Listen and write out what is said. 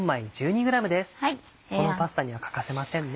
このパスタには欠かせませんね。